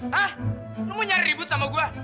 hah lu mau nyari ribut sama gue